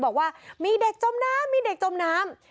บอกว่ามีเด็กจมน้ำมีเด็กจมน้ำ